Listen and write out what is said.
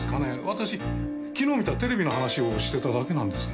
私昨日見たテレビの話をしてただけなんですが。